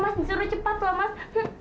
masih mau jawab kabur lagi